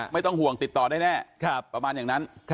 ไม่ต้องห่วงติดต่อได้แน่ประมาณอย่างนั้น